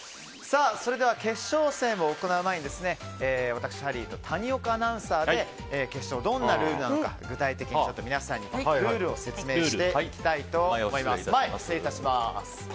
それでは決勝戦を行う前に私、ハリーと谷岡アナウンサーで決勝がどんなルールなのか具体的に皆さんにルールを説明していきたいと思います。